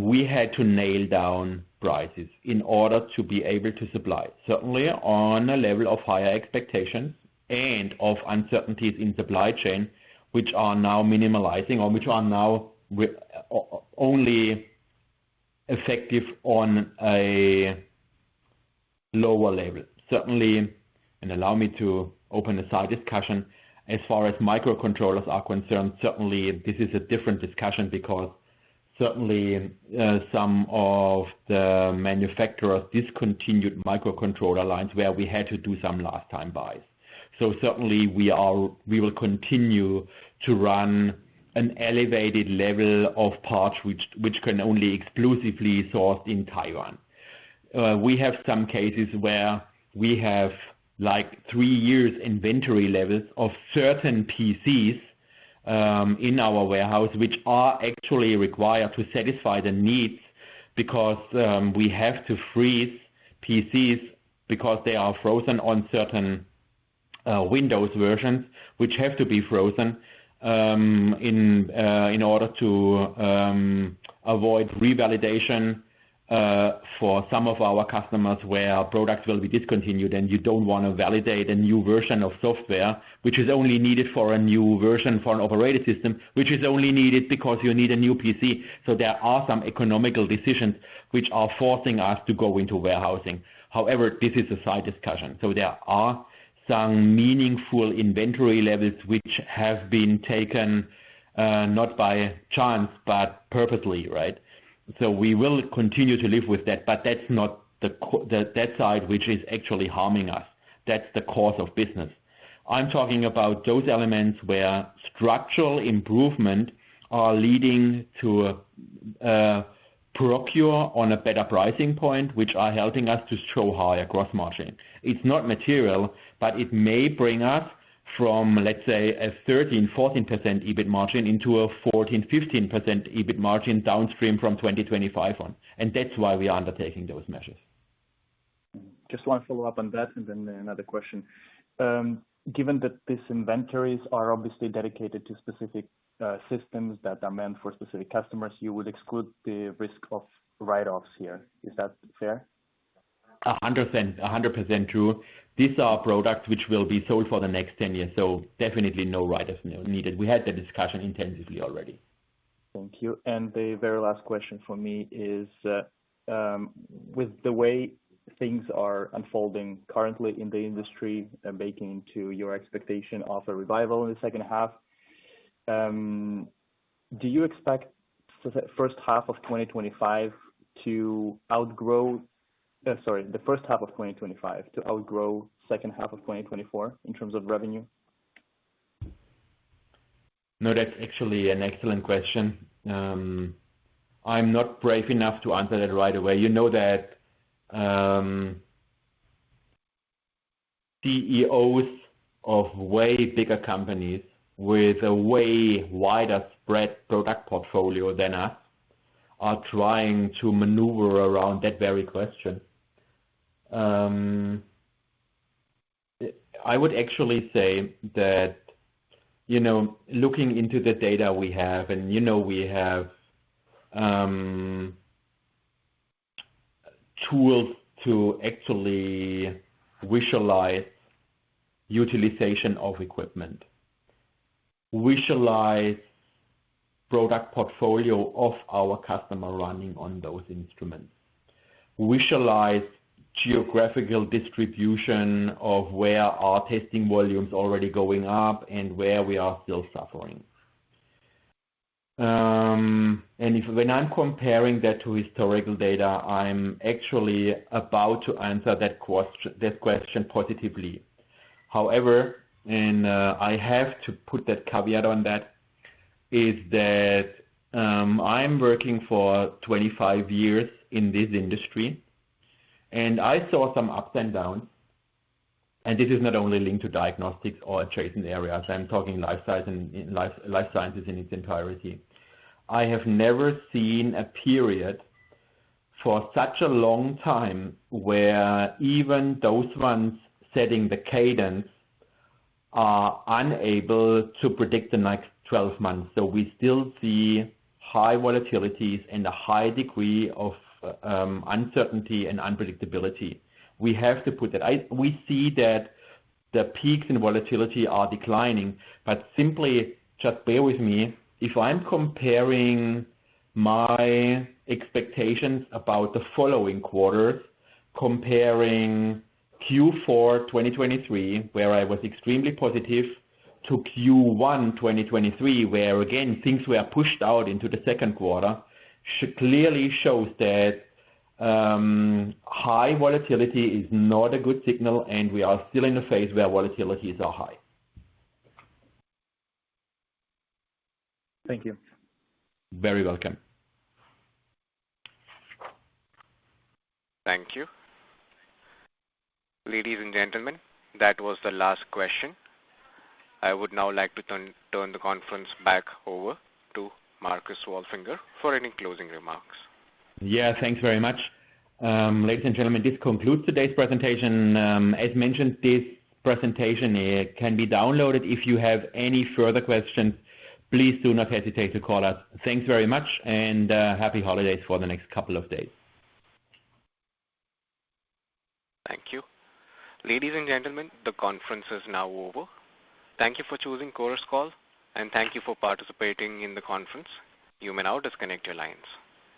we had to nail down prices in order to be able to supply, certainly on a level of higher expectations and of uncertainties in supply chain, which are now minimizing or which are now only effective on a lower level. Certainly, and allow me to open a side discussion, as far as microcontrollers are concerned, certainly, this is a different discussion because certainly, some of the manufacturers discontinued microcontroller lines where we had to do some last-time buys. So certainly, we will continue to run an elevated level of parts, which can only exclusively be sourced in Taiwan. We have some cases where we have three years inventory levels of certain PCs in our warehouse, which are actually required to satisfy the needs because we have to freeze PCs because they are frozen on certain Windows versions, which have to be frozen in order to avoid revalidation for some of our customers where products will be discontinued, and you don't want to validate a new version of software, which is only needed for a new version for an operating system, which is only needed because you need a new PC. So there are some economical decisions which are forcing us to go into warehousing. However, this is a side discussion. So there are some meaningful inventory levels which have been taken not by chance, but purposely, right? So we will continue to live with that. But that's not that side, which is actually harming us. That's the course of business. I'm talking about those elements where structural improvements are leading to procurement on a better pricing point, which are helping us to show higher gross margin. It's not material, but it may bring us from, let's say, a 13%-14% EBIT margin into a 14%-15% EBIT margin downstream from 2025 on. And that's why we are undertaking those measures. Just want to follow up on that and then another question. Given that these inventories are obviously dedicated to specific systems that are meant for specific customers, you would exclude the risk of write-offs here. Is that fair? 100% true. These are products which will be sold for the next 10 years. So definitely no write-offs needed. We had that discussion intensively already. Thank you. The very last question for me is, with the way things are unfolding currently in the industry, baking into your expectation of a revival in the H2, do you expect H1 of 2025 to outgrow sorry, the first half of 2025 to outgrow second half of 2024 in terms of revenue? No, that's actually an excellent question. I'm not brave enough to answer that right away. You know that CEOs of way bigger companies with a way wider spread product portfolio than us are trying to maneuver around that very question. I would actually say that looking into the data we have, and we have tools to actually visualize utilization of equipment, visualize product portfolio of our customer running on those instruments, visualize geographical distribution of where our testing volumes are already going up and where we are still suffering. When I'm comparing that to historical data, I'm actually about to answer that question positively. However, and I have to put that caveat on that, is that I'm working for 25 years in this industry, and I saw some ups and downs. This is not only linked to diagnostics or adjacent areas. I'm talking life sciences in its entirety. I have never seen a period for such a long time where even those ones setting the cadence are unable to predict the next 12 months. So we still see high volatilities and a high degree of uncertainty and unpredictability. We have to put that. We see that the peaks in volatility are declining. But simply, just bear with me. If I'm comparing my expectations about the following quarters, comparing Q4 2023, where I was extremely positive, to Q1 2023, where, again, things were pushed out into the second quarter, clearly shows that high volatility is not a good signal, and we are still in a phase where volatilities are high. Thank you. Very welcome. Thank you. Ladies and gentlemen, that was the last question. I would now like to turn the conference back over to Marcus Wolfinger for any closing remarks. Yeah, thanks very much. Ladies and gentlemen, this concludes today's presentation. As mentioned, this presentation can be downloaded. If you have any further questions, please do not hesitate to call us. Thanks very much, and happy holidays for the next couple of days. Thank you. Ladies and gentlemen, the conference is now over. Thank you for choosing Chorus Call, and thank you for participating in the conference. You may now disconnect your lines.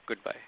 Goodbye.